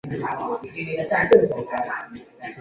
中国人民解放军中将军衔。